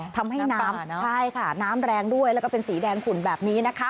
ทำให้น้ำใช่ค่ะน้ำแรงด้วยแล้วก็เป็นสีแดงขุ่นแบบนี้นะคะ